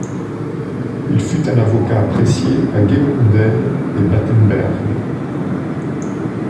Il fut un avocat apprécié à Gemünden et Battenberg.